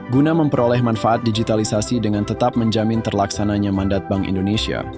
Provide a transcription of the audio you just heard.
guna memperoleh manfaat digitalisasi dengan tetap menjamin terlaksananya mandat bank indonesia